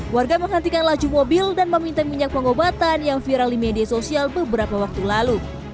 warga menghentikan laju mobil dan meminta minyak pengobatan yang viral di media sosial beberapa waktu lalu